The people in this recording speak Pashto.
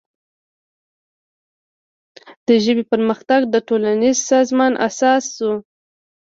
د ژبې پرمختګ د ټولنیز سازمان اساس شو.